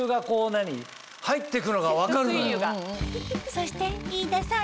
そして飯田さん